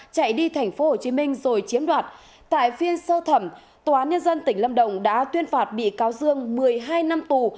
chạy đi tp hcm rồi chiếm đoạt tại phiên sơ thẩm tòa án nhân dân tỉnh lâm đồng đã tuyên phạt bị cáo dương một mươi hai năm tù